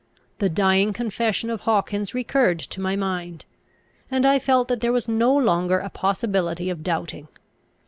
The dying confession of Hawkins recurred to my mind; and I felt that there was no longer a possibility of doubting.